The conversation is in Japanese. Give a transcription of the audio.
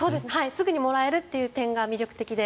すぐにもらえるという点が魅力的で。